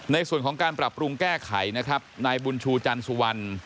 ในส่วนของการปรับปรุงแก้ไขนะครับนายบุญชูจันสุวรรณ